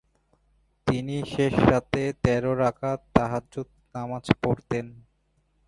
তিনি শেষ রাতে তের রাকআত তাহাজ্জুদ নামায পড়তেন।